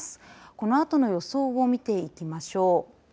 このあとの予想を見ていきましょう。